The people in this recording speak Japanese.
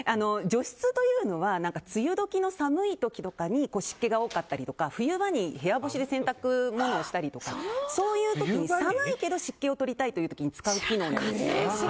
除湿というのは梅雨時の寒い時とかに湿気が多かったりとか冬場に部屋干しで洗濯物をしたりとかそういう時に寒いけど湿気を取りたい時に使う機能なんです。